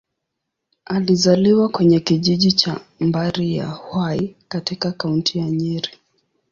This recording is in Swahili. Alizaliwa kwenye kijiji cha Mbari-ya-Hwai, katika Kaunti ya Nyeri.